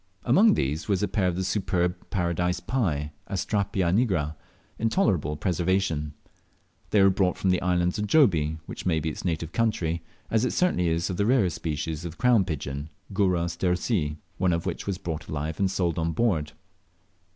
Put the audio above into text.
Among these was a pair of the superb Paradise Pie (Astrapia nigra) in tolerable preservation. They were brought from the island of Jobie, which may be its native country, as it certainly is of the rarer species of crown pigeon (Goura steursii), one of which was brought alive and sold on board.